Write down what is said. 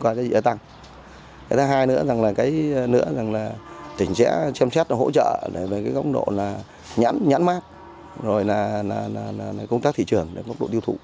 cái thứ hai nữa là tỉnh sẽ chăm chét hỗ trợ về góc độ nhẵn mát công tác thị trường góc độ tiêu thụ